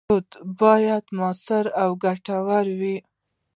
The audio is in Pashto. کوډ باید موثر او ګټور وي.